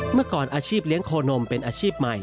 เมื่อก่อนอาชีพเลี้ยงโคนมเป็นอาชีพใหม่